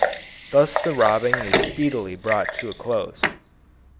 Thus the robbing is speedily brought to a close.